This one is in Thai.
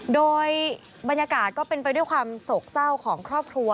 โดยบรรยากาศก็เป็นไปด้วยความโศกเศร้าของครอบครัว